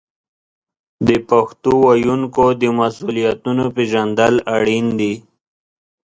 د پښتو ویونکو د مسوولیتونو پیژندل اړین دي.